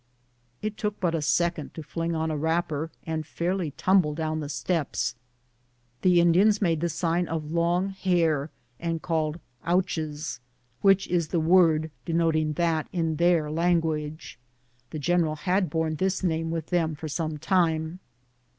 It took but a sec end to fling on a wrapper and fairly tumble down the steps. The Indians made the sign of long hair and called " Ouches," which is the word denoting that in their language. (The general had borne this name with them for some time.)